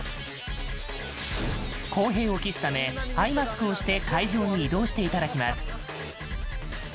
公平を期すためアイマスクをして会場に移動していただきます。